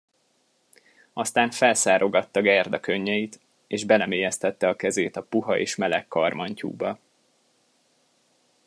Aztán felszárogatta Gerda könnyeit, és belemélyesztette a kezét a puha és meleg karmantyúba.